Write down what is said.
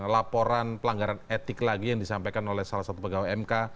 laporan pelanggaran etik lagi yang disampaikan oleh salah satu pegawai mk